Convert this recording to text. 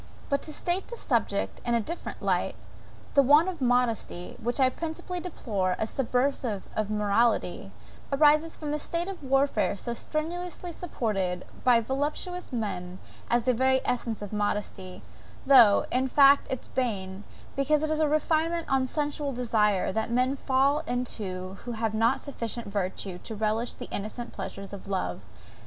But to state the subject in a different light. The want of modesty, which I principally deplore as subversive of morality, arises from the state of warfare so strenuously supported by voluptuous men as the very essence of modesty, though, in fact, its bane; because it is a refinement on sensual desire, that men fall into who have not sufficient virtue to relish the innocent pleasures of love.